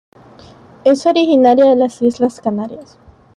Es originaria de las Islas Canarias.